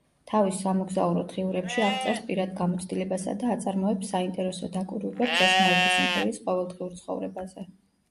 თავის სამოგზაურო დღიურებში აღწერს პირად გამოცდილებასა და აწარმოებს საინტერესო დაკვირვებებს ოსმალეთის იმპერიის ყოველდღიურ ცხოვრებაზე.